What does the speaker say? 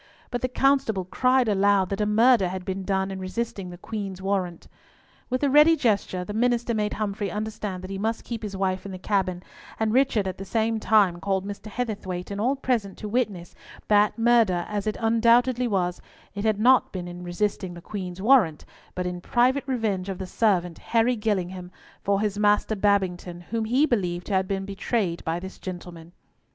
But the constable cried aloud that a murder had been done in resisting the Queen's warrant. With a ready gesture the minister made Humfrey understand that he must keep his wife in the cabin, and Richard at the same time called Mr. Heatherthwayte and all present to witness that, murder as it undoubtedly was, it had not been in resisting the Queen's warrant, but in private revenge of the servant, Harry Gillingham, for his master Babington, whom he believed to have been betrayed by this gentleman.